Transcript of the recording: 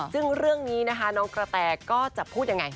ซึ่งเรื่องนี้นะคะน้องกระแตก็จะพูดยังไง